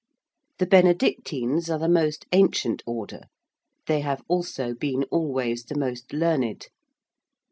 The Benedictines are the most ancient Order: they have also been always the most learned.